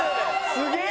すげえ！